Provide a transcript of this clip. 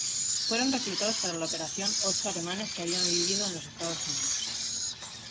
Fueron reclutados para la operación ocho alemanes que habían vivido en los Estados Unidos.